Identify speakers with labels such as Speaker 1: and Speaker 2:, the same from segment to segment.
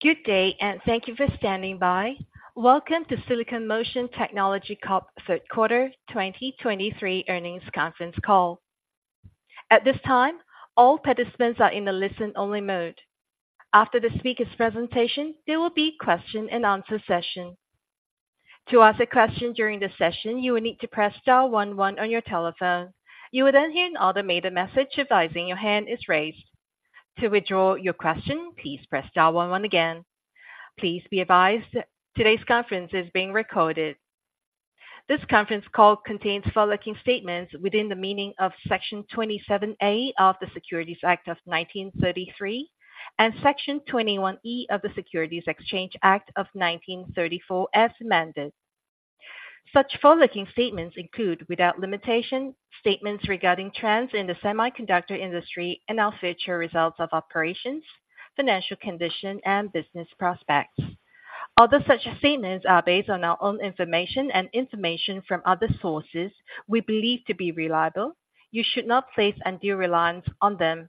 Speaker 1: Good day, and thank you for standing by. Welcome to Silicon Motion Technology Corp.'s third quarter 2023 earnings conference call. At this time, all participants are in a listen-only mode. After the speaker's presentation, there will be a question and answer session. To ask a question during the session, you will need to press star one one on your telephone. You will then hear an automated message advising your hand is raised. To withdraw your question, please press star one one again. Please be advised, today's conference is being recorded. This conference call contains forward-looking statements within the meaning of Section 27A of the Securities Act of 1933 and Section 21E of the Securities Exchange Act of 1934, as amended. Such forward-looking statements include, without limitation, statements regarding trends in the semiconductor industry and our future results of operations, financial condition, and business prospects. Although such statements are based on our own information and information from other sources we believe to be reliable, you should not place undue reliance on them.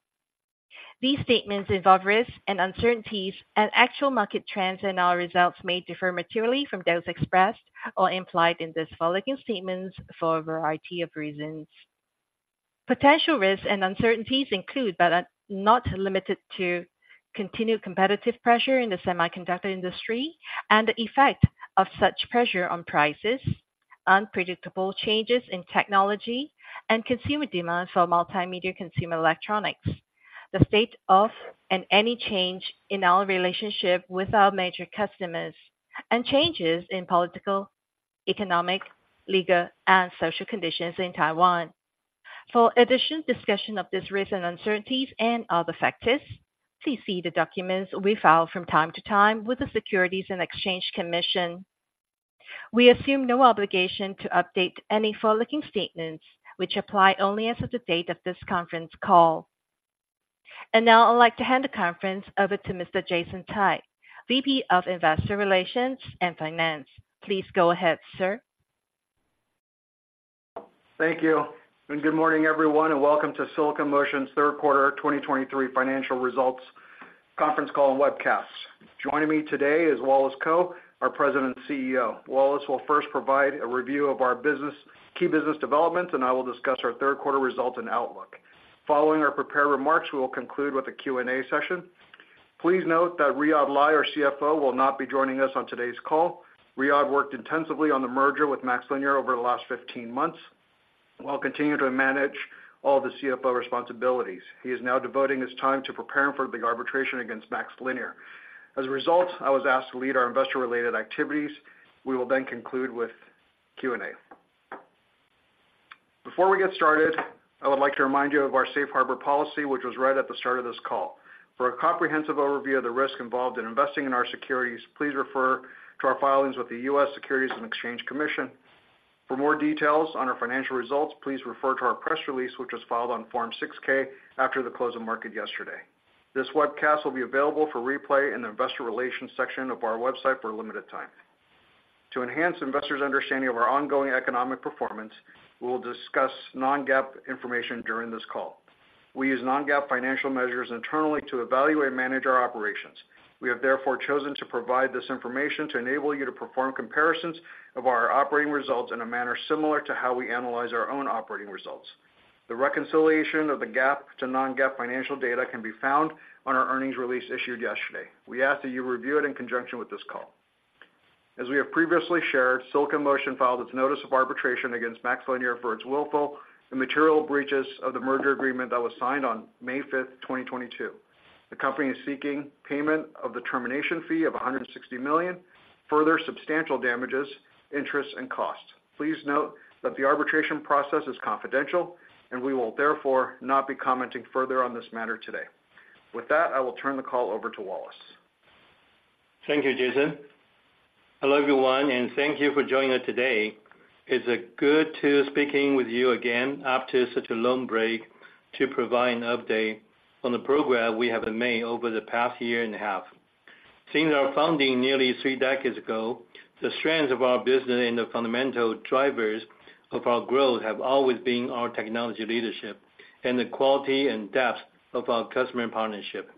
Speaker 1: These statements involve risks and uncertainties, and actual market trends and our results may differ materially from those expressed or implied in these forward-looking statements for a variety of reasons. Potential risks and uncertainties include, but are not limited to, continued competitive pressure in the semiconductor industry and the effect of such pressure on prices, unpredictable changes in technology, and consumer demand for multimedia consumer electronics, the state of and any change in our relationship with our major customers, and changes in political, economic, legal, and social conditions in Taiwan. For additional discussion of these risks and uncertainties and other factors, please see the documents we file from time to time with the Securities and Exchange Commission. We assume no obligation to update any forward-looking statements, which apply only as of the date of this conference call. Now I'd like to hand the conference over to Mr. Jason Tsai, VP of Investor Relations and Finance. Please go ahead, sir.
Speaker 2: Thank you, and good morning, everyone, and welcome to Silicon Motion's third quarter 2023 financial results conference call and webcast. Joining me today is Wallace Kou, our President and CEO. Wallace will first provide a review of our business, key business developments, and I will discuss our third quarter results and outlook. Following our prepared remarks, we will conclude with a Q&A session. Please note that Riyadh Lai, our CFO, will not be joining us on today's call. Riyadh worked intensively on the merger with MaxLinear over the last 15 months, while continuing to manage all the CFO responsibilities. He is now devoting his time to preparing for the arbitration against MaxLinear. As a result, I was asked to lead our investor-related activities. We will then conclude with Q&A. Before we get started, I would like to remind you of our safe harbor policy, which was read at the start of this call. For a comprehensive overview of the risks involved in investing in our securities, please refer to our filings with the U.S. Securities and Exchange Commission. For more details on our financial results, please refer to our press release, which was filed on Form 6-K after the close of market yesterday. This webcast will be available for replay in the investor relations section of our website for a limited time. To enhance investors' understanding of our ongoing economic performance, we will discuss non-GAAP information during this call. We use non-GAAP financial measures internally to evaluate and manage our operations. We have therefore chosen to provide this information to enable you to perform comparisons of our operating results in a manner similar to how we analyze our own operating results. The reconciliation of the GAAP to non-GAAP financial data can be found on our earnings release issued yesterday. We ask that you review it in conjunction with this call. As we have previously shared, Silicon Motion filed its notice of arbitration against MaxLinear for its willful and material breaches of the merger agreement that was signed on May 5th, 2022. The company is seeking payment of the termination fee of $160 million, further substantial damages, interest, and costs. Please note that the arbitration process is confidential, and we will therefore not be commenting further on this matter today. With that, I will turn the call over to Wallace.
Speaker 3: Thank you, Jason. Hello, everyone, and thank you for joining us today. It's good to be speaking with you again after such a long break to provide an update on the progress we have made over the past year and a half. Since our founding nearly three decades ago, the strength of our business and the fundamental drivers of our growth have always been our technology leadership and the quality and depth of our customer partnership.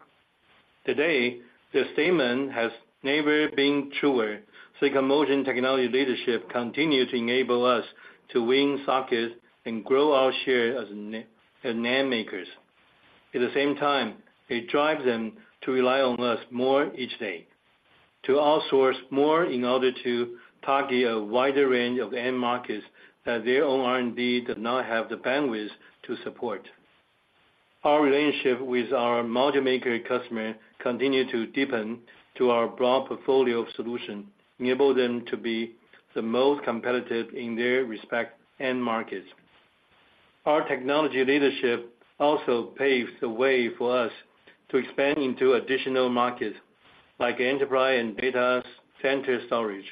Speaker 3: Today, this statement has never been truer. Silicon Motion Technology leadership continues to enable us to win sockets and grow our share as NAND makers. At the same time, it drives them to rely on us more each day, to outsource more in order to target a wider range of end markets that their own R&D does not have the bandwidth to support. Our relationship with our module maker customers continue to deepen to our broad portfolio of solutions, enabling them to be the most competitive in their respective end markets. Our technology leadership also paves the way for us to expand into additional markets like enterprise and data center storage,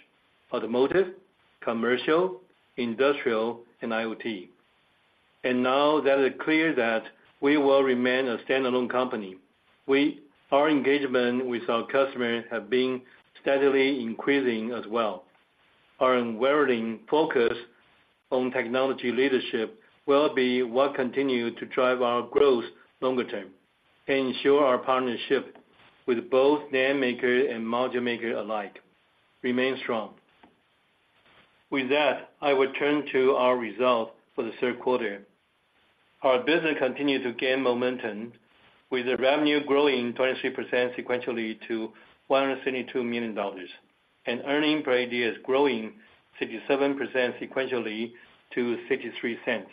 Speaker 3: automotive, commercial, industrial, and IoT. Now that it's clear that we will remain a standalone company, we, our engagement with our customers have been steadily increasing as well. Our unwavering focus on technology leadership will be what continue to drive our growth longer term, and ensure our partnership with both NAND maker and module maker alike remain strong. With that, I will turn to our results for the third quarter. Our business continued to gain momentum, with the revenue growing 23% sequentially to $172 million, and earnings per ADS growing 57% sequentially to $0.63.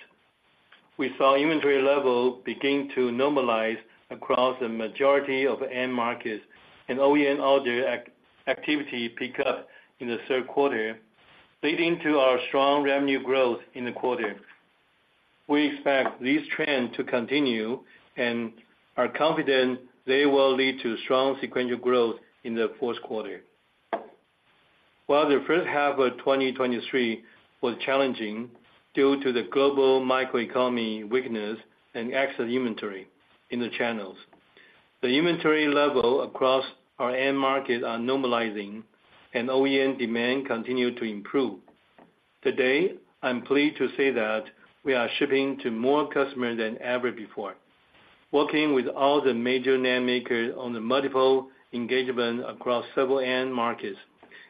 Speaker 3: We saw inventory level begin to normalize across the majority of end markets, and OEM order activity pick up in the third quarter, leading to our strong revenue growth in the quarter. We expect this trend to continue, and are confident they will lead to strong sequential growth in the fourth quarter. While the first half of 2023 was challenging due to the global macroeconomic weakness and excess inventory in the channels, the inventory level across our end market are normalizing and OEM demand continue to improve. Today, I'm pleased to say that we are shipping to more customers than ever before, working with all the major NAND makers on the multiple engagement across several end markets,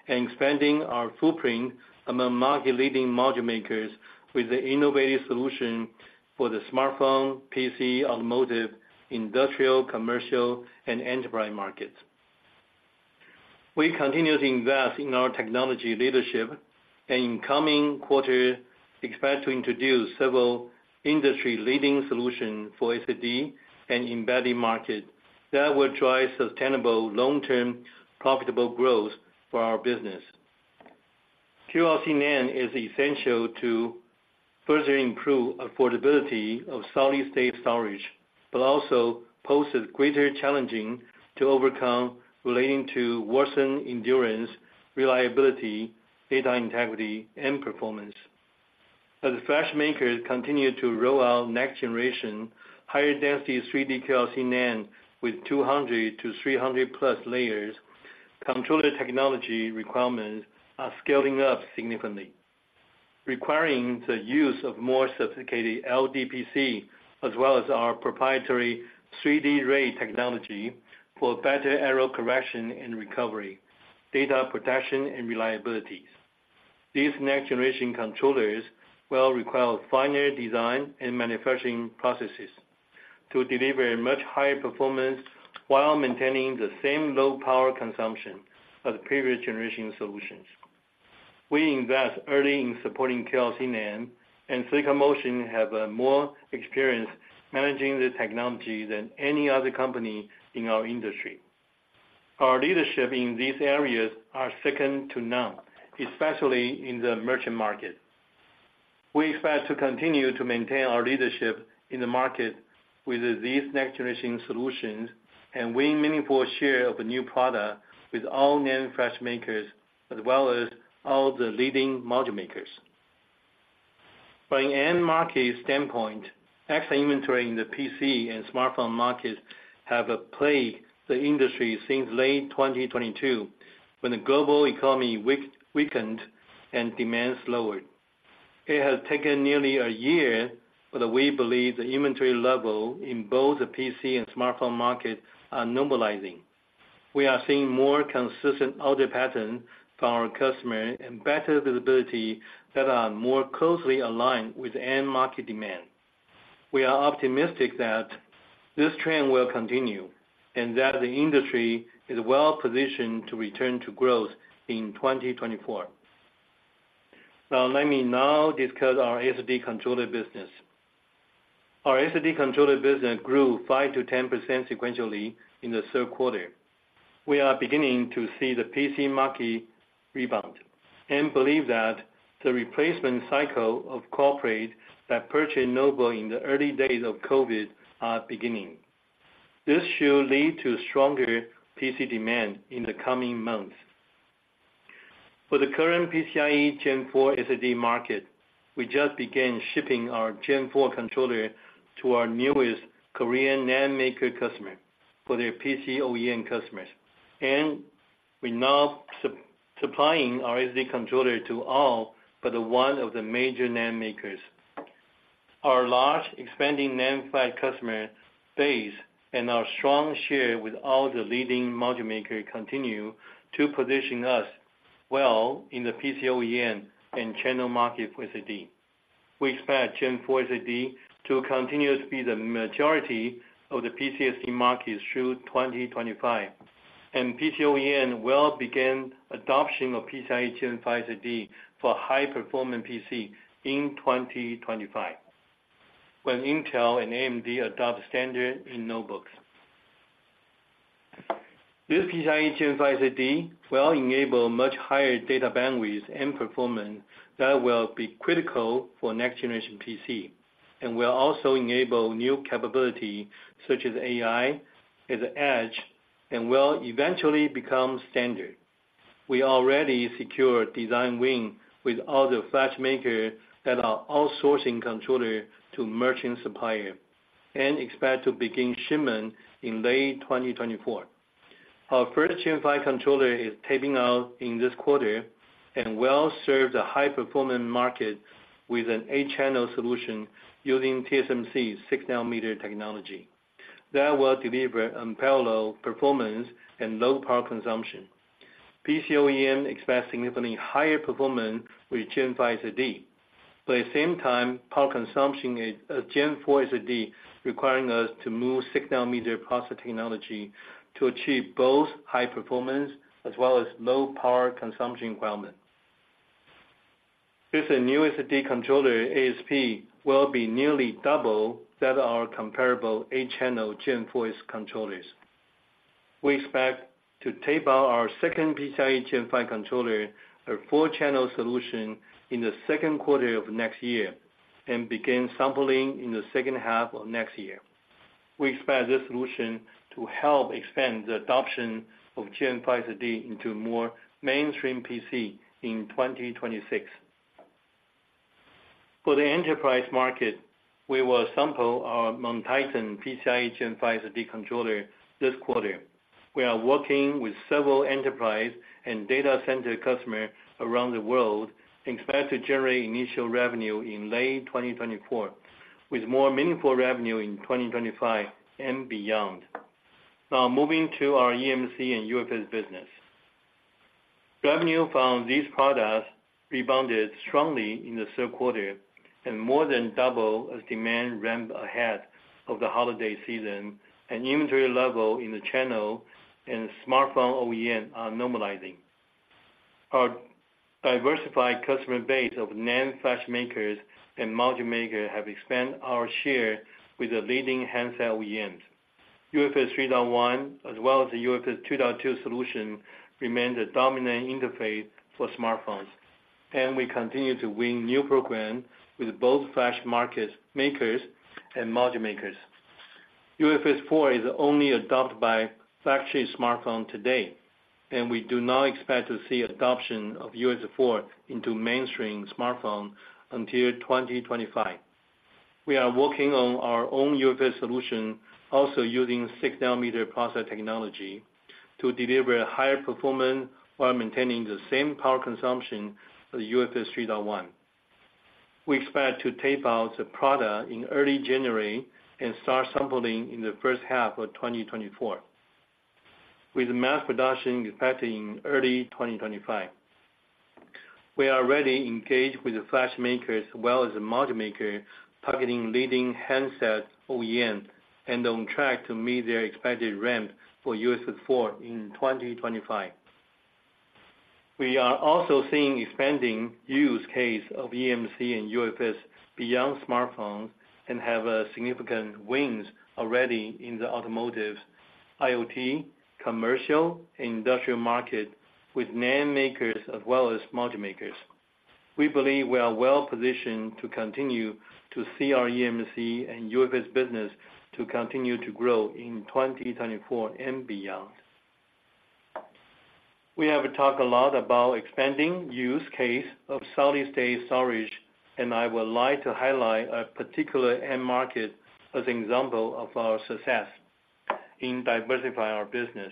Speaker 3: and expanding our footprint among market-leading module makers with the innovative solution for the smartphone, PC, automotive, industrial, commercial, and enterprise markets. We continue to invest in our technology leadership, and in coming quarter, expect to introduce several industry-leading solutions for SSD and embedded market that will drive sustainable long-term, profitable growth for our business. QLC NAND is essential to further improve affordability of solid state storage, but also poses greater challenges to overcome relating to worsening endurance, reliability, data integrity, and performance. As the flash makers continue to roll out next-generation, higher density 3D QLC NAND with 200-300+ layers, controller technology requirements are scaling up significantly, requiring the use of more sophisticated LDPC, as well as our proprietary 3D RAID technology, for better error correction and recovery, data protection and reliability. These next-generation controllers will require finer design and manufacturing processes to deliver a much higher performance while maintaining the same low power consumption as the previous generation solutions. We invest early in supporting QLC NAND, and Silicon Motion have more experience managing the technology than any other company in our industry. Our leadership in these areas are second to none, especially in the merchant market. We expect to continue to maintain our leadership in the market with these next-generation solutions, and win meaningful share of the new product with all NAND flash makers, as well as all the leading module makers. By end market standpoint, excess inventory in the PC and smartphone markets have plagued the industry since late 2022, when the global economy weakened and demand slowed. It has taken nearly a year, but we believe the inventory level in both the PC and smartphone market are normalizing. We are seeing more consistent order pattern from our customer and better visibility that are more closely aligned with end market demand. We are optimistic that this trend will continue, and that the industry is well positioned to return to growth in 2024. Now, let me discuss our SSD controller business. Our SSD controller business grew 5%-10% sequentially in the third quarter. We are beginning to see the PC market rebound and believe that the replacement cycle of corporates that purchased notebooks in the early days of COVID are beginning. This should lead to stronger PC demand in the coming months. For the current PCIe Gen 4 SSD market, we just began shipping our Gen 4 controller to our newest Korean NAND maker customer for their PC OEM customers, and we're now supplying our SSD controller to all but one of the major NAND makers. Our large, expanding NAND customer base and our strong share with all the leading module makers continue to position us well in the PC OEM and channel market for SSD. We expect Gen 4 SSD to continue to be the majority of the PC SSD market through 2025, and PC OEM will begin adoption of PCIe Gen 5 SSD for high-performance PC in 2025, when Intel and AMD adopt standard in notebooks. This PCIe Gen 5 SSD will enable much higher data bandwidth and performance that will be critical for next generation PC, and will also enable new capability such as AI at the Edge, and will eventually become standard. We already secured design win with all the flash makers that are outsourcing controller to merchant supplier and expect to begin shipment in late 2024. Our first Gen 5 controller is tape out in this quarter and will serve the high-performance market with an 8-channel solution using TSMC's 6-nanometer technology. That will deliver unparalleled performance and low power consumption. PC OEM expects significantly higher performance with Gen 5 SSD. But at the same time, power consumption is, Gen 4 SSD, requiring us to move 6-nanometer process technology to achieve both high performance as well as low power consumption requirements. With the new SSD controller, ASP will be nearly double that our comparable 8-channel Gen 4 SSD controllers. We expect to tape out our second PCIe Gen 5 controller, our 4-channel solution, in the second quarter of next year and begin sampling in the second half of next year. We expect this solution to help expand the adoption of Gen 5 SSD into more mainstream PC in 2026. For the enterprise market, we will sample our MonTitan PCIe Gen 5 SSD controller this quarter. We are working with several enterprise and data center customers around the world, and expect to generate initial revenue in late 2024, with more meaningful revenue in 2025 and beyond. Now, moving to our eMMC and UFS business. Revenue from these products rebounded strongly in the third quarter and more than double as demand ramped ahead of the holiday season, and inventory level in the channel and smartphone OEM are normalizing. Our diversified customer base of NAND flash makers and module makers have expanded our share with the leading handset OEMs. UFS 3.1, as well as the UFS 2.2 solution, remains the dominant interface for smartphones, and we continue to win new programs with both flash makers and module makers. UFS 4 is only adopted by flagship smartphone today, and we do not expect to see adoption of UFS 4 into mainstream smartphone until 2025. We are working on our own UFS solution, also using 6-nanometer process technology, to deliver higher performance while maintaining the same power consumption as the UFS 3.1. We expect to tape out the product in early January and start sampling in the first half of 2024, with mass production expected in early 2025. We are already engaged with the flash makers as well as the module maker, targeting leading handset OEM, and on track to meet their expected ramp for UFS 4 in 2025. We are also seeing expanding use case of eMMC and UFS beyond smartphones, and have significant wins already in the automotive, IoT, commercial, and industrial market with NAND makers as well as module makers. We believe we are well positioned to continue to see our eMMC and UFS business to continue to grow in 2024 and beyond. We have talked a lot about expanding use case of solid state storage, and I would like to highlight a particular end market as an example of our success in diversifying our business.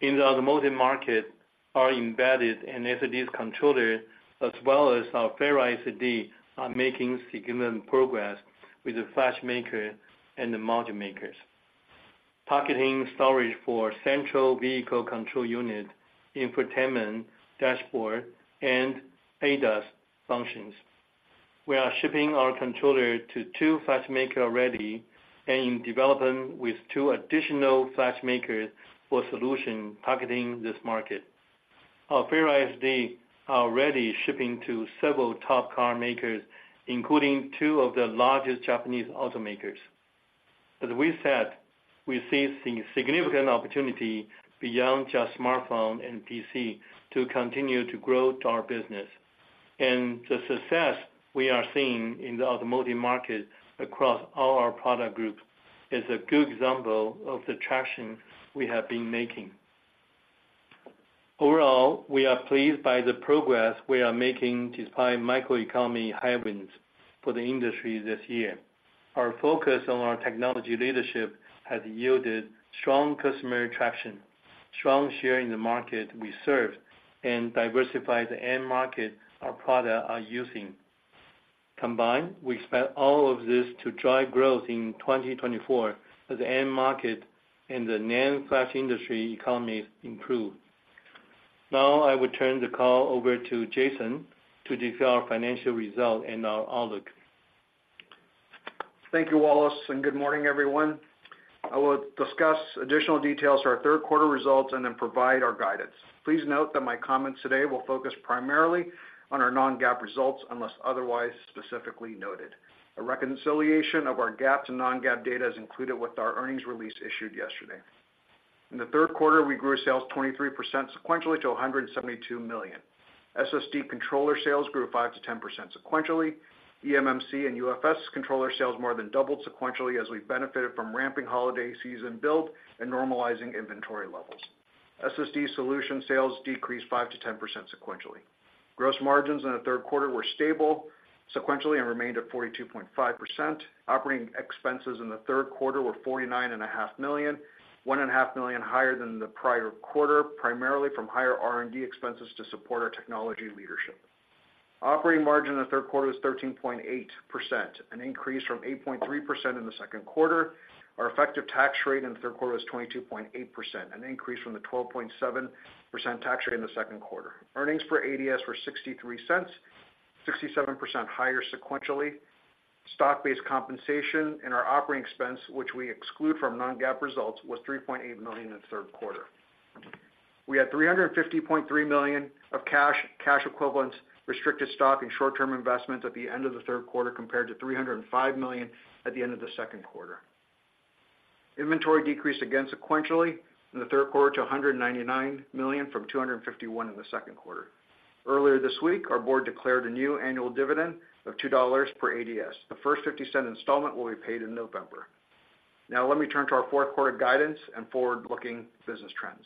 Speaker 3: In the automotive market, our embedded and SSD's controller, as well as our FerriSSD, are making significant progress with the flash makers and the module makers. Targeting storage for central vehicle control unit, infotainment, dashboard, and ADAS functions. We are shipping our controller to two flash makers already, and in development with two additional flash makers for solution targeting this market. Our FerriSSD are already shipping to several top car makers, including two of the largest Japanese automakers. As we said, we see significant opportunity beyond just smartphone and PC to continue to grow our business, and the success we are seeing in the automotive market across all our product groups is a good example of the traction we have been making. Overall, we are pleased by the progress we are making despite microeconomic headwinds for the industry this year. Our focus on our technology leadership has yielded strong customer traction, strong share in the market we serve, and diversify the end market our products are using. Combined, we expect all of this to drive growth in 2024 as the end market and the NAND flash industry economy improve. Now, I will turn the call over to Jason to discuss our financial results and our outlook.
Speaker 2: Thank you, Wallace, and good morning, everyone. I will discuss additional details for our third quarter results and then provide our guidance. Please note that my comments today will focus primarily on our non-GAAP results, unless otherwise specifically noted. A reconciliation of our GAAP to non-GAAP data is included with our earnings release issued yesterday. In the third quarter, we grew sales 23% sequentially to $172 million. SSD controller sales grew 5%-10% sequentially. eMMC and UFS controller sales more than doubled sequentially, as we benefited from ramping holiday season build and normalizing inventory levels. SSD solution sales decreased 5%-10% sequentially. Gross margins in the third quarter were stable sequentially and remained at 42.5%. Operating expenses in the third quarter were $49.5 million, $1.5 million higher than the prior quarter, primarily from higher R&D expenses to support our technology leadership. Operating margin in the third quarter was 13.8%, an increase from 8.3% in the second quarter. Our effective tax rate in the third quarter was 22.8%, an increase from the 12.7% tax rate in the second quarter. Earnings per ADS were $0.63, 67% higher sequentially. Stock-based compensation in our operating expense, which we exclude from non-GAAP results, was $3.8 million in the third quarter. We had $350.3 million of cash, cash equivalents, restricted stock, and short-term investments at the end of the third quarter, compared to $305 million at the end of the second quarter. Inventory decreased again sequentially in the third quarter to $199 million from $251 million in the second quarter. Earlier this week, our board declared a new annual dividend of $2 per ADS. The first $0.50 installment will be paid in November. Now, let me turn to our fourth quarter guidance and forward-looking business trends.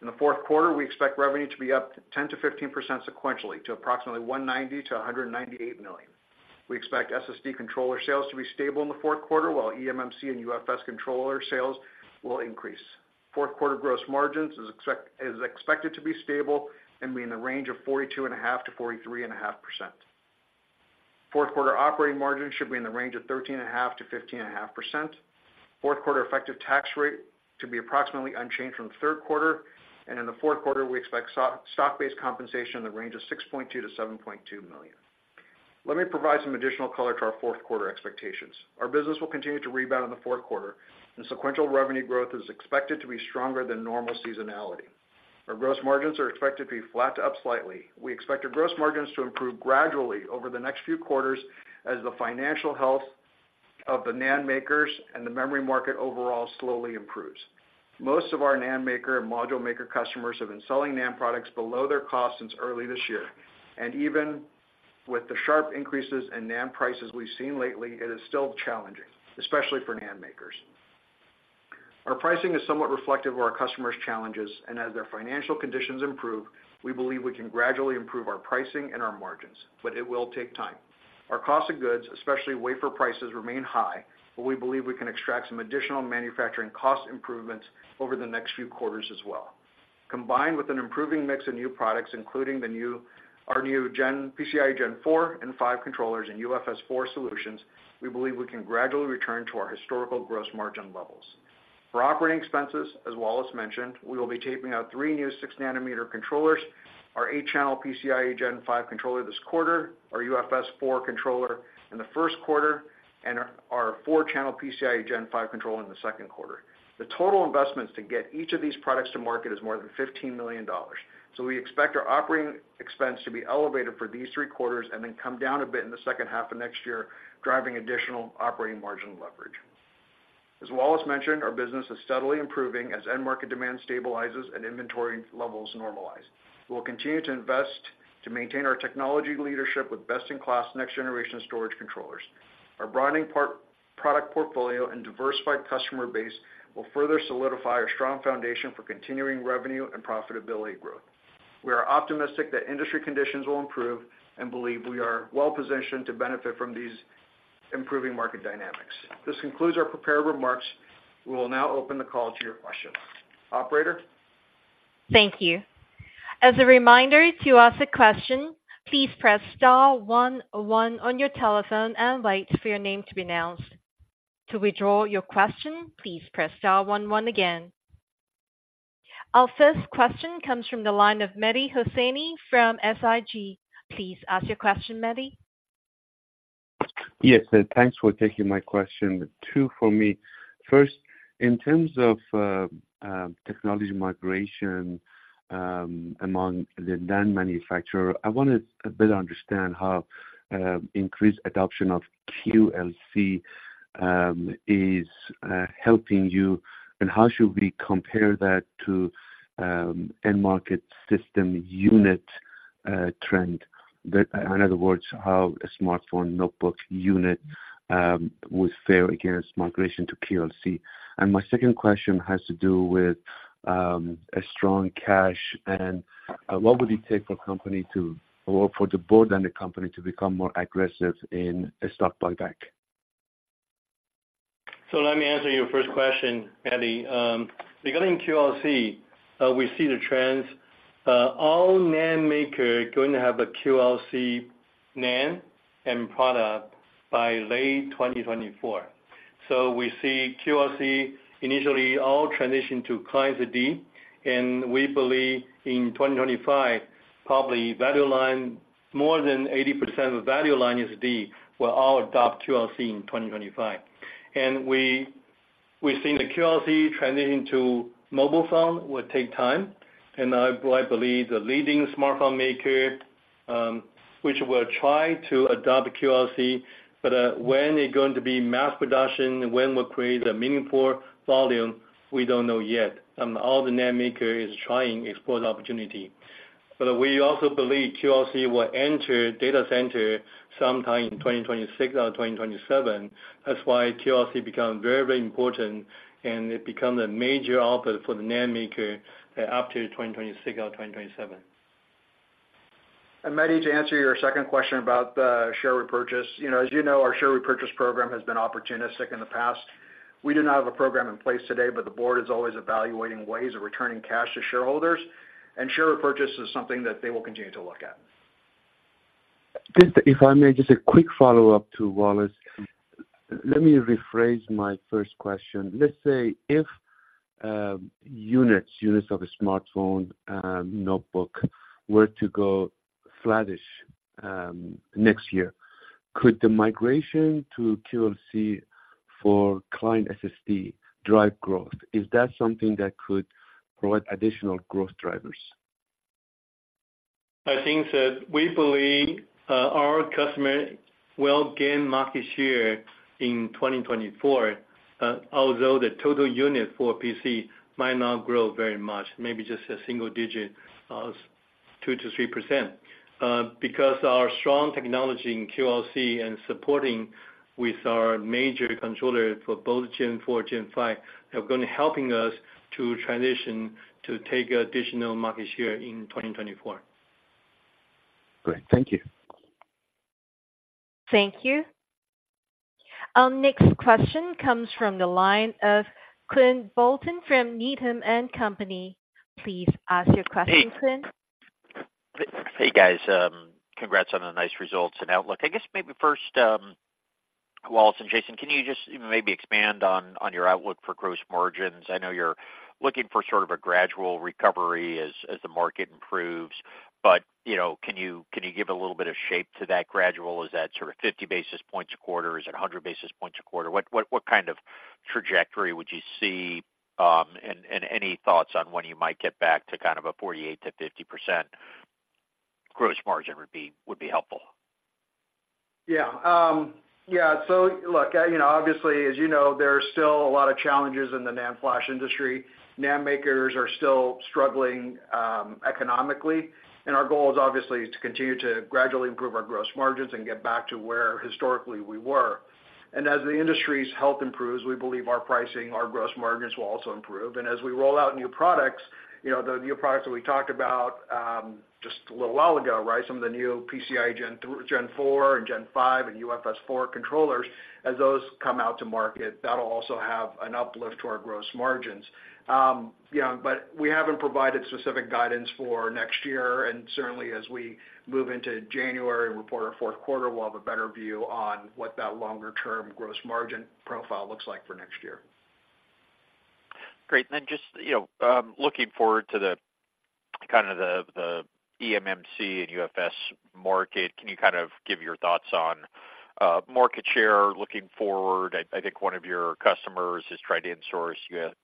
Speaker 2: In the fourth quarter, we expect revenue to be up 10%-15% sequentially, to approximately $190 million-$198 million. We expect SSD controller sales to be stable in the fourth quarter, while eMMC and UFS controller sales will increase. Fourth quarter gross margins is expected to be stable and be in the range of 42.5%-43.5%. Fourth quarter operating margin should be in the range of 13.5%-15.5%. Fourth quarter effective tax rate to be approximately unchanged from the third quarter, and in the fourth quarter, we expect stock-based compensation in the range of $6.2 million-$7.2 million. Let me provide some additional color to our fourth quarter expectations. Our business will continue to rebound in the fourth quarter, and sequential revenue growth is expected to be stronger than normal seasonality. Our gross margins are expected to be flat to up slightly. We expect our gross margins to improve gradually over the next few quarters as the financial health of the NAND makers and the memory market overall slowly improves. Most of our NAND maker and module maker customers have been selling NAND products below their cost since early this year, and even with the sharp increases in NAND prices we've seen lately, it is still challenging, especially for NAND makers. Our pricing is somewhat reflective of our customers' challenges, and as their financial conditions improve, we believe we can gradually improve our pricing and our margins, but it will take time. Our cost of goods, especially wafer prices, remain high, but we believe we can extract some additional manufacturing cost improvements over the next few quarters as well. Combined with an improving mix of new products, including the new—our new Gen 4, PCIe Gen 4 and 5 controllers and UFS 4 solutions, we believe we can gradually return to our historical gross margin levels. For operating expenses, as Wallace mentioned, we will be taping out three new 6-nanometer controllers, our 8-channel PCIe Gen 5 controller this quarter, our UFS 4 controller in the first quarter, and our four-channel PCIe Gen 5 controller in the second quarter. The total investments to get each of these products to market is more than $15 million. So we expect our operating expense to be elevated for these three quarters and then come down a bit in the second half of next year, driving additional operating margin leverage. As Wallace mentioned, our business is steadily improving as end market demand stabilizes and inventory levels normalize. We'll continue to invest to maintain our technology leadership with best-in-class, next-generation storage controllers. Our broadening product portfolio and diversified customer base will further solidify our strong foundation for continuing revenue and profitability growth. We are optimistic that industry conditions will improve and believe we are well-positioned to benefit from these improving market dynamics. This concludes our prepared remarks. We will now open the call to your questions. Operator?
Speaker 1: Thank you. As a reminder, to ask a question, please press star one one on your telephone and wait for your name to be announced. To withdraw your question, please press star one one again. Our first question comes from the line of Mehdi Hosseini from SIG. Please ask your question, Mehdi.
Speaker 4: Yes, thanks for taking my question. Two for me. First, in terms of technology migration among the NAND manufacturer, I wanted to better understand how increased adoption of QLC is helping you, and how should we compare that to end market system unit trend? That, in other words, how a smartphone, notebook unit would fare against migration to QLC. And my second question has to do with a strong cash, and what would it take for a company to, or for the board and the company to become more aggressive in a stock buyback?
Speaker 2: So let me answer your first question, Mehdi. Regarding QLC, we see the trends. All NAND maker going to have a QLC NAND and product by late 2024. So we see QLC initially all transition to client SSD, and we believe in 2025, probably value line, more than 80% of value line SSD, will all adopt QLC in 2025. And we, we've seen the QLC transition to mobile phone will take time, and I, I believe the leading smartphone maker, which will try to adopt QLC, but when it's going to be mass production, when will create a meaningful volume, we don't know yet, and all the NAND maker is trying to explore the opportunity....
Speaker 3: But we also believe QLC will enter data center sometime in 2026 or 2027. That's why QLC become very, very important, and it become the major output for the NAND maker up to 2026 or 2027.
Speaker 2: Mehdi, to answer your second question about the share repurchase. You know, as you know, our share repurchase program has been opportunistic in the past. We do not have a program in place today, but the board is always evaluating ways of returning cash to shareholders, and share repurchase is something that they will continue to look at.
Speaker 4: Just, if I may, just a quick follow-up to Wallace. Let me rephrase my first question. Let's say, if units of a smartphone and notebook were to go flattish next year, could the migration to QLC for client SSD drive growth? Is that something that could provide additional growth drivers?
Speaker 3: I think that we believe, our customer will gain market share in 2024, although the total unit for PC might not grow very much, maybe just a single digit, 2%-3%. Because our strong technology in QLC and supporting with our major controller for both Gen 4, Gen 5, are going to helping us to transition to take additional market share in 2024.
Speaker 4: Great. Thank you.
Speaker 1: Thank you. Our next question comes from the line of Quinn Bolton from Needham and Company. Please ask your question, Quinn.
Speaker 5: Hey, guys, congrats on the nice results and outlook. I guess maybe first, Wallace and Jason, can you just maybe expand on your outlook for gross margins? I know you're looking for sort of a gradual recovery as the market improves, but you know, can you give a little bit of shape to that gradual? Is that sort of 50 basis points a quarter? Is it 100 basis points a quarter? What kind of trajectory would you see, and any thoughts on when you might get back to kind of a 48%-50% gross margin would be helpful.
Speaker 2: Yeah. Yeah, so look, you know, obviously, as you know, there are still a lot of challenges in the NAND flash industry. NAND makers are still struggling, economically, and our goal is obviously to continue to gradually improve our gross margins and get back to where historically we were. And as the industry's health improves, we believe our pricing, our gross margins, will also improve. And as we roll out new products, you know, the new products that we talked about, just a little while ago, right? Some of the new PCI Gen 4 and Gen 5 and UFS 4 controllers, as those come out to market, that'll also have an uplift to our gross margins. Yeah, but we haven't provided specific guidance for next year, and certainly as we move into January and report our fourth quarter, we'll have a better view on what that longer-term gross margin profile looks like for next year.
Speaker 5: Great. And then just, you know, looking forward to the, kind of the eMMC and UFS market, can you kind of give your thoughts on market share looking forward? I think one of your customers has tried to insource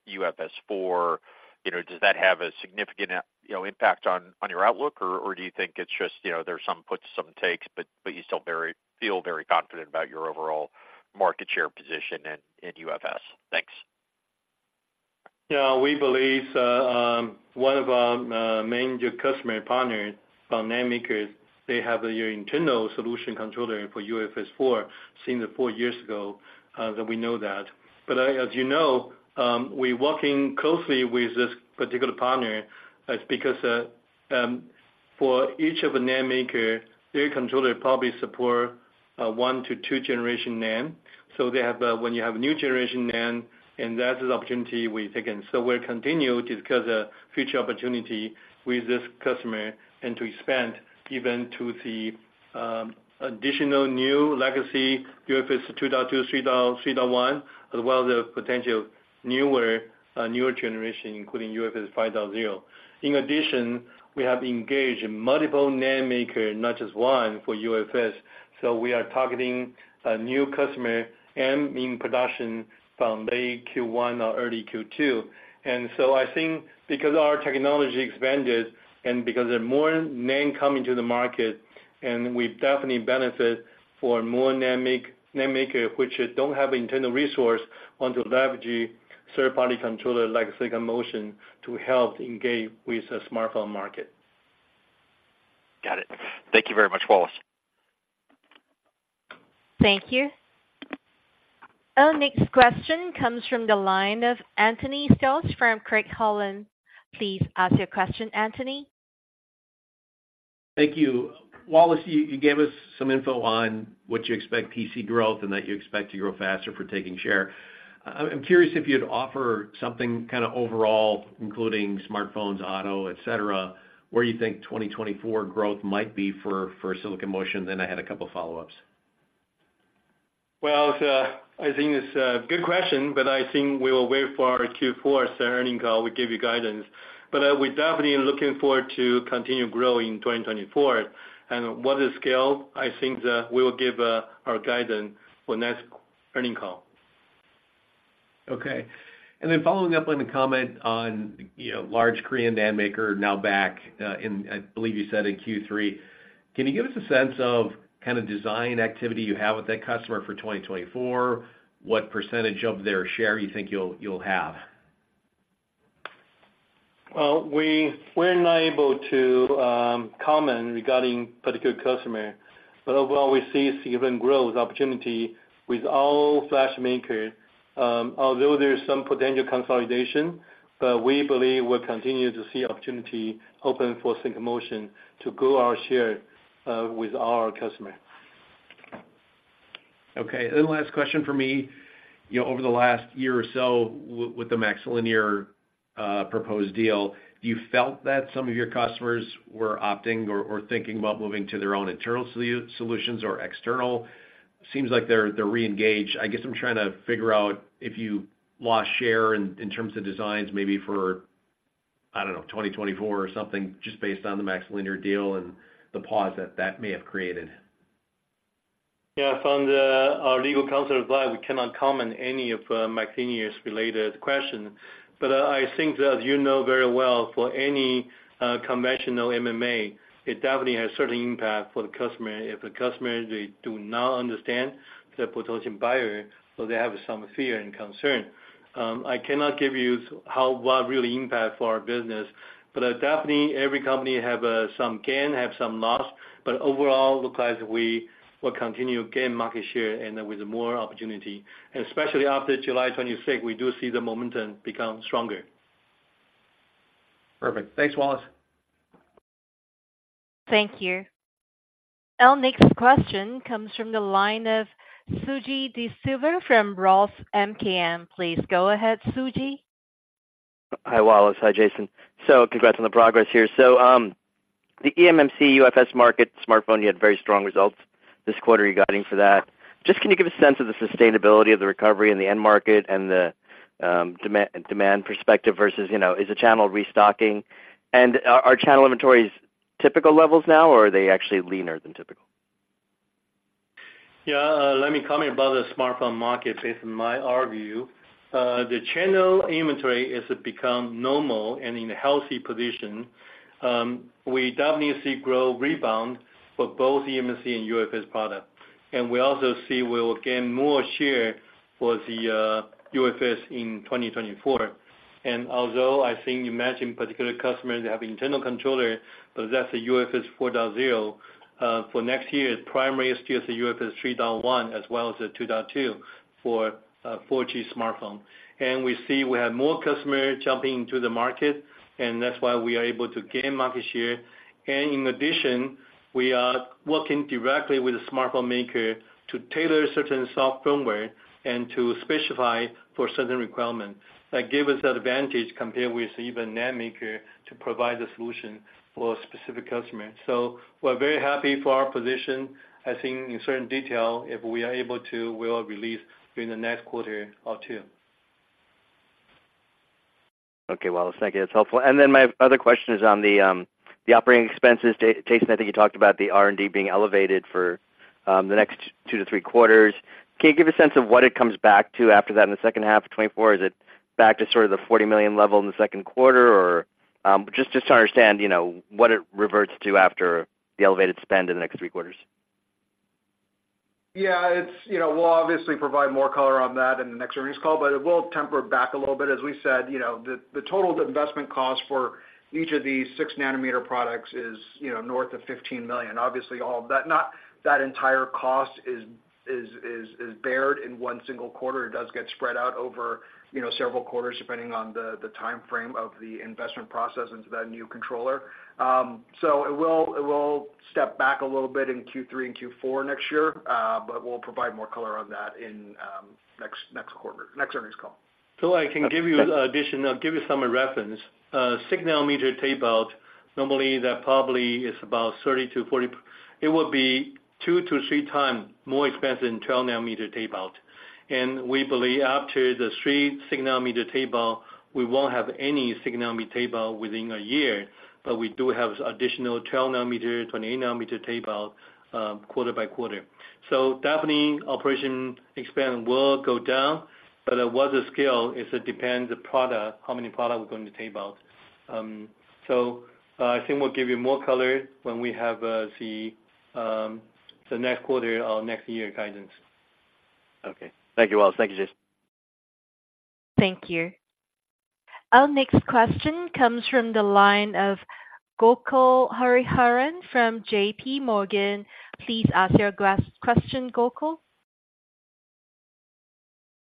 Speaker 5: UFS 4. You know, does that have a significant impact on your outlook? Or do you think it's just, you know, there are some puts, some takes, but you still feel very confident about your overall market share position in UFS? Thanks.
Speaker 3: Yeah, we believe one of our major customer partners from NAND makers, they have the internal solution controller for UFS 4, since four years ago, that we know that. But, as you know, we're working closely with this particular partner, because for each of the NAND maker, their controller probably support 1-2 generation NAND. So they have, when you have new generation NAND, and that is opportunity we've taken. So we're continue to discuss a future opportunity with this customer and to expand even to the additional new legacy UFS 2.2, 3.0, 3.1, as well as the potential newer newer generation, including UFS 5.0. In addition, we have engaged multiple NAND maker, not just one, for UFS. So we are targeting a new customer and in production from late Q1 or early Q2. And so I think because our technology expanded and because there are more NAND coming to the market, and we definitely benefit for more NAND maker, which don't have internal resource, want to leverage third-party controller, like Silicon Motion, to help engage with the smartphone market.
Speaker 5: Got it. Thank you very much, Wallace.
Speaker 1: Thank you. Our next question comes from the line of Anthony Stoss from Craig-Hallum. Please ask your question, Anthony.
Speaker 6: Thank you. Wallace, you gave us some info on what you expect PC growth and that you expect to grow faster for taking share. I'm curious if you'd offer something kind of overall, including smartphones, auto, et cetera, where you think 2024 growth might be for Silicon Motion, then I had a couple follow-ups.
Speaker 3: Well, I think it's a good question, but I think we will wait for our Q4 earnings call. We'll give you guidance. But, we're definitely looking forward to continue growing in 2024. And what is scale? I think that we will give our guidance on next earnings call.
Speaker 6: Okay. And then following up on the comment on, you know, large Korean NAND maker now back in, I believe you said in Q3. Can you give us a sense of kind of design activity you have with that customer for 2024? What percentage of their share you think you'll have?...
Speaker 3: Well, we, we're not able to comment regarding particular customer, but overall, we see significant growth opportunity with all flash makers. Although there is some potential consolidation, but we believe we'll continue to see opportunity open for Silicon Motion to grow our share with our customer.
Speaker 6: Okay. And last question for me. You know, over the last year or so, with the MaxLinear proposed deal, do you felt that some of your customers were opting or thinking about moving to their own internal solutions or external? Seems like they're reengaged. I guess I'm trying to figure out if you lost share in terms of designs, maybe for 2024 or something, just based on the MaxLinear deal and the pause that may have created.
Speaker 3: Yeah, from our legal counsel advice, we cannot comment any of MaxLinear's related question. But I think that you know very well for any conventional M&A, it definitely has certain impact for the customer. If the customer they do not understand the potential buyer, so they have some fear and concern. I cannot give you how what really impact for our business, but definitely every company have some gain, have some loss. But overall, looks like we will continue to gain market share and with more opportunity. And especially after July 26th, we do see the momentum become stronger.
Speaker 6: Perfect. Thanks, Wallace.
Speaker 1: Thank you. Our next question comes from the line of Suji DeSilva from Roth MKM. Please go ahead, Suji.
Speaker 7: Hi, Wallace. Hi, Jason. So congrats on the progress here. So, the eMMC UFS market smartphone, you had very strong results this quarter regarding for that. Just can you give a sense of the sustainability of the recovery in the end market and the demand perspective versus, you know, is the channel restocking? And are channel inventories typical levels now, or are they actually leaner than typical?
Speaker 3: Yeah, let me comment about the smartphone market based on my our view. The channel inventory is become normal and in a healthy position. We definitely see growth rebound for both eMMC and UFS product. And we also see we'll gain more share for the, UFS in 2024. And although I think you mentioned particular customers, they have internal controller, but that's a UFS 4.0. For next year, primary is still the UFS 3.1, as well as the 2.2 for, 4G smartphone. And we see we have more customers jumping into the market, and that's why we are able to gain market share. And in addition, we are working directly with the smartphone maker to tailor certain soft firmware and to specify for certain requirements. That give us an advantage compared with even NAND maker to provide the solution for a specific customer. So we're very happy for our position. I think in certain detail, if we are able to, we will release during the next quarter or two.
Speaker 7: Okay, Wallace, thank you. That's helpful. And then my other question is on the operating expenses. Jason, I think you talked about the R&D being elevated for the next two to three quarters. Can you give a sense of what it comes back to after that in the second half of 2024? Is it back to sort of the $40 million level in the second quarter, or just to understand, you know, what it reverts to after the elevated spend in the next three quarters?
Speaker 2: Yeah, you know, we'll obviously provide more color on that in the next earnings call, but it will temper back a little bit. As we said, you know, the total investment cost for each of these six-nanometer products is, you know, north of $15 million. Obviously, all of that, not that entire cost is borne in one single quarter. It does get spread out over, you know, several quarters, depending on the timeframe of the investment process into that new controller. So it will step back a little bit in Q3 and Q4 next year, but we'll provide more color on that in next quarter, next earnings call.
Speaker 3: So I can give you addition, I'll give you some reference. 6-nanometer tape out, normally that probably is about 30-40—it would be 2x-3x more expensive than 12-nanometer tape out. And we believe after the three 6-nanometer tape out, we won't have any 6-nanometer tape out within a year, but we do have additional 12-nanometer, 20-nanometer tape out, quarter by quarter. So definitely, operation expand will go down, but what the scale is, it depends the product, how many product we're going to tape out. So, I think we'll give you more color when we have the next quarter or next year guidance.
Speaker 7: Okay. Thank you, Wallace. Thank you, Jason.
Speaker 1: Thank you. Our next question comes from the line of Gokul Hariharan from JPMorgan. Please ask your question, Gokul.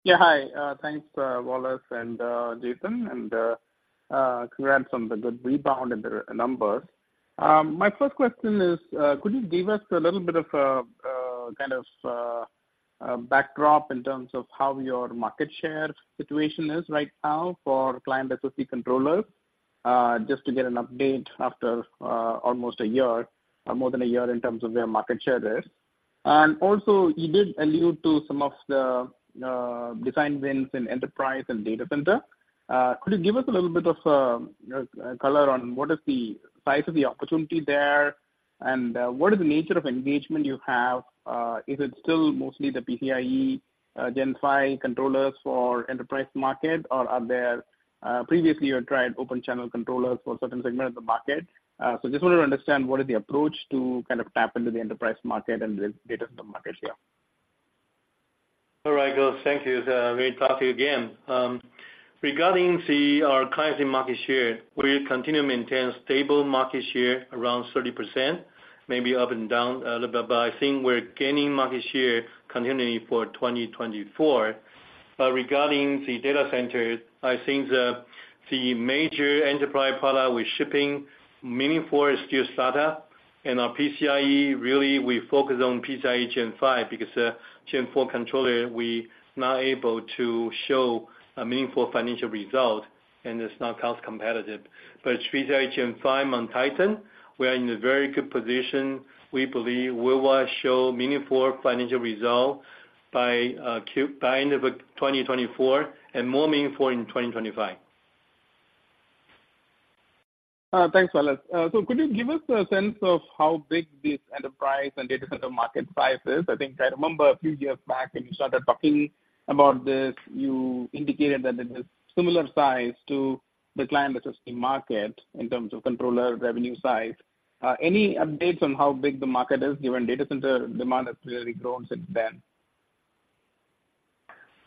Speaker 8: Yeah, hi. Thanks, Wallace and Jason, and congrats on the good rebound in the numbers. My first question is, could you give us a little bit of kind of a backdrop in terms of how your market share situation is right now for client SSD controller? Just to get an update after almost a year, or more than a year in terms of where market share is. And also, you did allude to some of the design wins in enterprise and data center. Could you give us a little bit of color on what is the size of the opportunity there, and what is the nature of engagement you have? Is it still mostly the PCIe Gen 5 controllers for enterprise market, or are there previously you had tried open channel controllers for certain segment of the market? So just wanted to understand what is the approach to kind of tap into the enterprise market and the data center market here?...
Speaker 3: All right, Gokul, thank you. Great to talk to you again. Regarding the, our client's market share, we continue to maintain stable market share around 30%, maybe up and down a little bit, but I think we're gaining market share continually for 2024. But regarding the data center, I think the, the major enterprise product, we're shipping, meaningful is still startup. And our PCIe, really, we focus on PCIe Gen 5, because, Gen 4 controller, we're not able to show a meaningful financial result, and it's not cost competitive. But PCIe Gen 5 on Titan, we are in a very good position. We believe we will show meaningful financial result by, by end of 2024, and more meaningful in 2025.
Speaker 8: Thanks, Wallace. Could you give us a sense of how big this enterprise and data center market size is? I think I remember a few years back when you started talking about this, you indicated that it is similar size to the client SSD market in terms of controller revenue size. Any updates on how big the market is, given data center demand has really grown since then?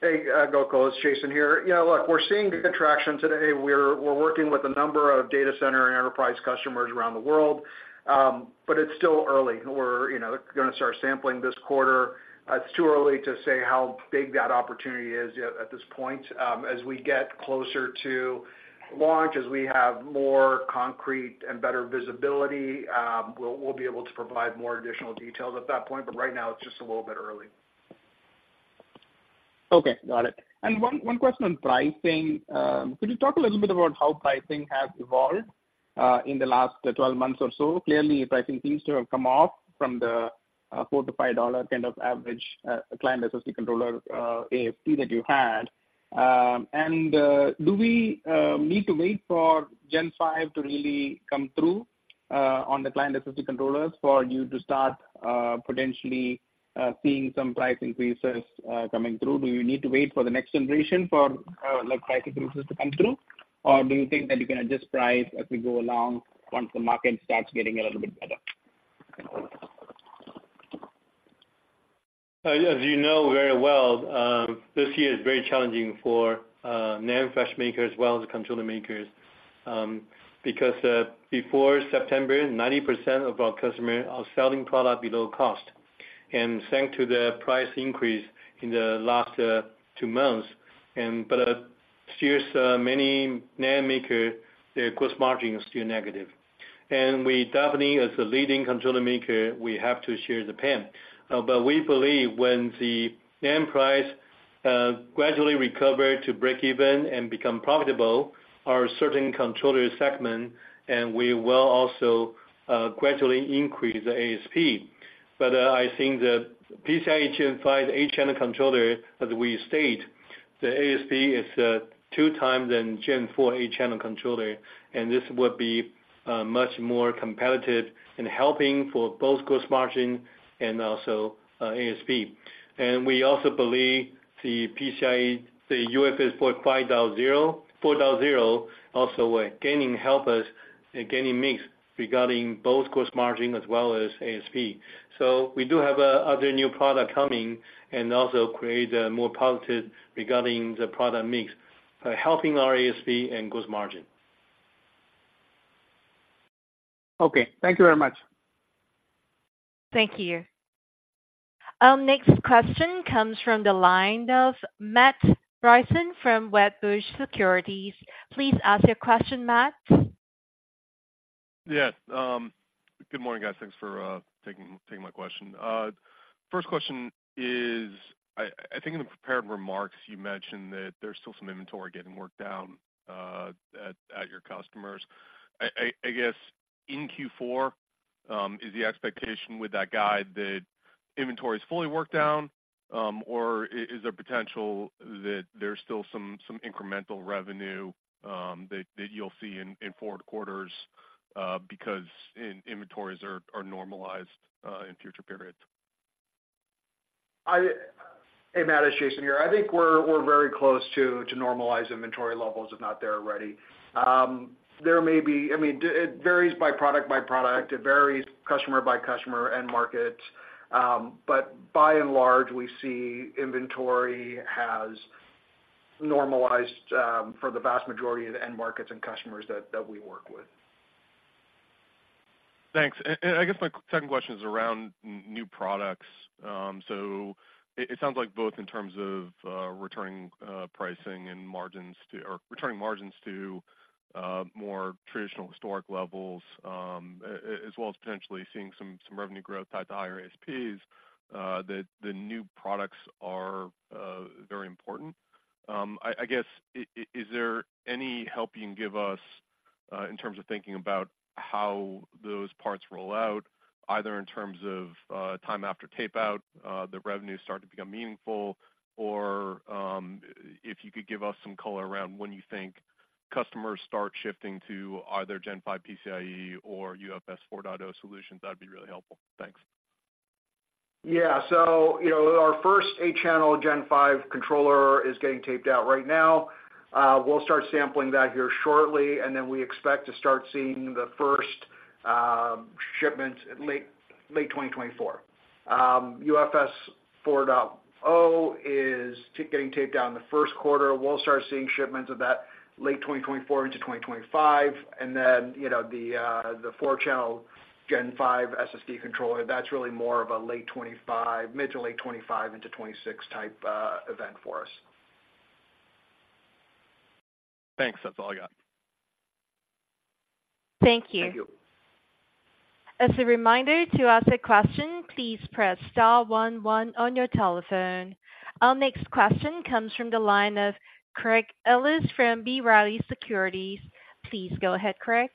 Speaker 2: Hey, Gokul, it's Jason here. Yeah, look, we're seeing good traction today. We're working with a number of data center and enterprise customers around the world, but it's still early. We're, you know, gonna start sampling this quarter. It's too early to say how big that opportunity is yet at this point. As we get closer to launch, as we have more concrete and better visibility, we'll be able to provide more additional details at that point, but right now, it's just a little bit early.
Speaker 8: Okay, got it. One question on pricing. Could you talk a little bit about how pricing has evolved in the last 12 months or so? Clearly, pricing seems to have come off from the $4-$5 kind of average client SSD controller ASP that you had. Do we need to wait for Gen 5 to really come through on the client SSD controllers for you to start potentially seeing some price increases coming through? Do you need to wait for the next generation for like price increases to come through? Or do you think that you can adjust price as we go along, once the market starts getting a little bit better?
Speaker 3: As you know very well, this year is very challenging for NAND flash makers as well as the controller makers. Because before September, 90% of our customers are selling product below cost. And thanks to the price increase in the last two months, and but still, many NAND maker, their cost margin is still negative. And we, Daphne, as a leading controller maker, we have to share the pain. But we believe when the NAND price gradually recover to breakeven and become profitable, our certain controller segment, and we will also gradually increase the ASP. But I think the PCIe Gen 5, 8-channel controller, as we state, the ASP is 2x than Gen 4 8-channel controller, and this will be much more competitive in helping for both gross margin and also ASP. And we also believe the PCIe, the UFS 5.0, 4.0, also will gaining help us in gaining mix regarding both gross margin as well as ASP. So we do have other new product coming and also create more positive regarding the product mix, helping our ASP and gross margin.
Speaker 8: Okay, thank you very much.
Speaker 1: Thank you. Our next question comes from the line of Matt Bryson from Wedbush Securities. Please ask your question, Matt.
Speaker 9: Yes. Good morning, guys. Thanks for taking my question. First question is, I think in the prepared remarks, you mentioned that there's still some inventory getting worked out at your customers. I guess in Q4, is the expectation with that guide that inventory is fully worked down, or is there potential that there's still some incremental revenue that you'll see in forward quarters because inventories are normalized in future periods?
Speaker 2: Hey, Matt, it's Jason here. I think we're very close to normalize inventory levels, if not there already. There may be—I mean, it varies by product by product, it varies customer by customer, end market. But by and large, we see inventory has normalized for the vast majority of the end markets and customers that we work with.
Speaker 9: Thanks. And I guess my second question is around new products. So it sounds like both in terms of returning pricing and margins to, or returning margins to more traditional historic levels, as well as potentially seeing some revenue growth tied to higher ASPs, the new products are very important. I guess is there any help you can give us in terms of thinking about how those parts roll out, either in terms of time after tape out the revenues start to become meaningful, or if you could give us some color around when you think customers start shifting to either Gen 5 PCIe or UFS 4.0 solutions, that'd be really helpful. Thanks.
Speaker 2: Yeah. So, you know, our first 8-channel Gen 5 controller is getting taped out right now. We'll start sampling that here shortly, and then we expect to start seeing shipments late 2024. UFS 4.0 is getting taped out in the first quarter. We'll start seeing shipments of that late 2024 into 2025, and then, you know, the 4-channel Gen 5 SSD controller, that's really more of a late 2025, mid- to late 2025 into 2026 type event for us.
Speaker 9: Thanks. That's all I got.
Speaker 1: Thank you.
Speaker 2: Thank you.
Speaker 1: As a reminder, to ask a question, please press star one one on your telephone. Our next question comes from the line of Craig Ellis from B. Riley Securities. Please go ahead, Craig.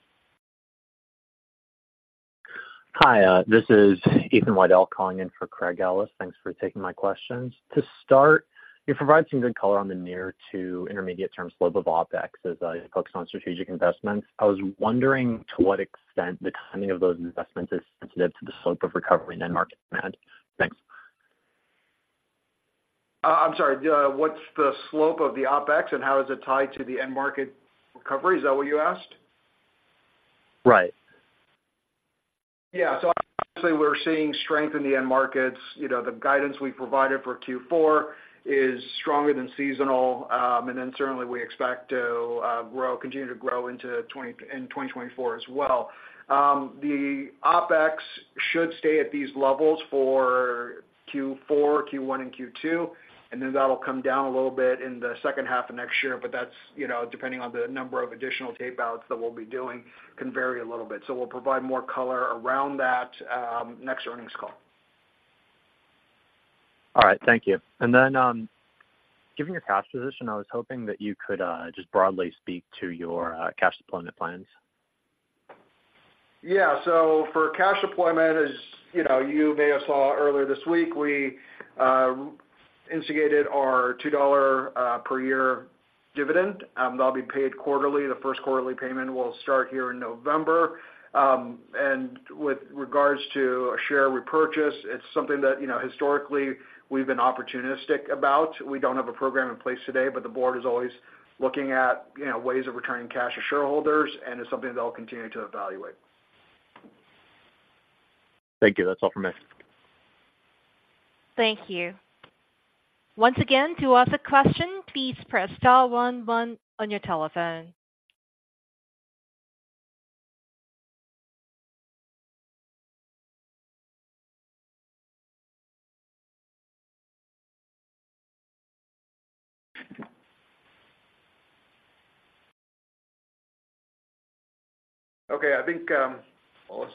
Speaker 10: Hi, this is Ethan Widell calling in for Craig Ellis. Thanks for taking my questions. To start, you provided some good color on the near to intermediate-term slope of OpEx as I focus on strategic investments. I was wondering to what extent the timing of those investments is sensitive to the slope of recovery in end market demand. Thanks.
Speaker 2: I'm sorry, what's the slope of the OpEx, and how is it tied to the end market recovery? Is that what you asked?
Speaker 10: Right.
Speaker 2: Yeah. So obviously, we're seeing strength in the end markets. You know, the guidance we provided for Q4 is stronger than seasonal. And then certainly we expect to grow, continue to grow into 2024 as well. The OpEx should stay at these levels for Q4, Q1, and Q2, and then that'll come down a little bit in the second half of next year. But that's, you know, depending on the number of additional tape-outs that we'll be doing, can vary a little bit. So we'll provide more color around that, next earnings call.
Speaker 10: All right, thank you. And then, given your cash position, I was hoping that you could just broadly speak to your cash deployment plans.
Speaker 2: Yeah. So for cash deployment, as you know, you may have saw earlier this week, we instigated our $2 per year dividend. That'll be paid quarterly. The first quarterly payment will start here in November. And with regards to a share repurchase, it's something that, you know, historically, we've been opportunistic about. We don't have a program in place today, but the board is always looking at, you know, ways of returning cash to shareholders, and it's something they'll continue to evaluate.
Speaker 10: Thank you. That's all for me.
Speaker 1: Thank you. Once again, to ask a question, please press star one one on your telephone.
Speaker 2: Okay, I think, Wallace.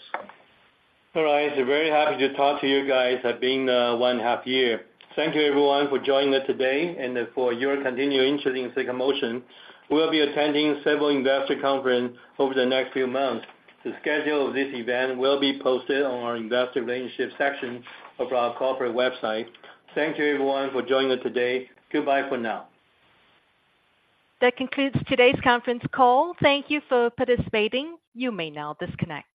Speaker 3: All right. Very happy to talk to you guys. It's been one half year. Thank you everyone for joining us today and for your continued interest in Silicon Motion. We'll be attending several investor conference over the next few months. The schedule of this event will be posted on our investor relationship section of our corporate website. Thank you everyone for joining us today. Goodbye for now.
Speaker 1: That concludes today's conference call. Thank you for participating. You may now disconnect.